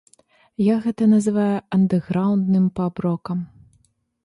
Я гэта называю андэграўндным паб-рокам.